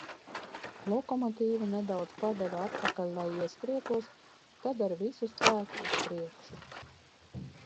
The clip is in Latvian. Lokomotīve nedaudz padeva atpakaļ, lai ieskrietos, tad ar visu spēku uz priekšu.